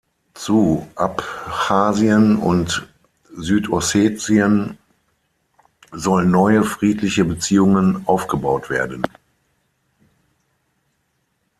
Zu Abchasien und Südossetien sollen neue, friedliche Beziehungen aufgebaut werden.